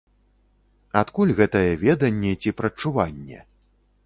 Адкуль гэтае веданне ці прадчуванне?